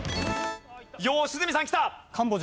良純さんきた。